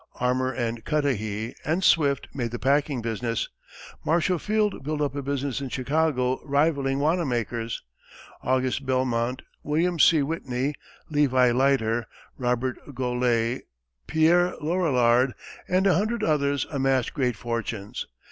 Armour and Cudahy and Swift made the packing business; Marshall Field built up a business in Chicago rivalling Wanamaker's; August Belmont, William C. Whitney, Levi Leiter, Robert Goelet, Pierre Lorillard, and a hundred others, amassed great fortunes.